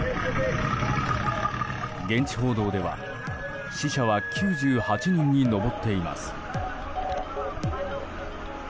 現地報道では死者は９８人に上っています。